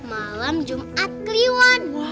malam jumat keliuan